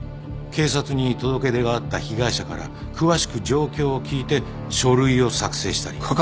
警察に届け出があった被害者から詳しく状況を聞いて書類を作成したり。